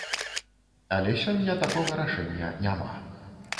Але сёння такога рашэння няма.